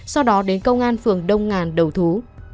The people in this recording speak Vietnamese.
sau đó đến công an phường đông ngàn đầu thú